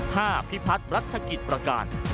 พิพัฒน์รัชกิจประการ